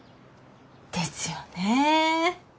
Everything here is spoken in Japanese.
ですよね。